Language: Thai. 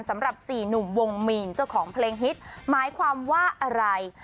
สำหรับสี่หนุ่มวงมีนเจ้าของเพลงฮิตหมายความว่าอะไร